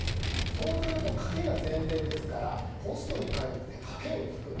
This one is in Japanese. そうするとカケが前提ですからホストに通ってカケを作る。